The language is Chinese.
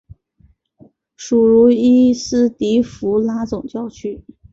属茹伊斯迪福拉总教区。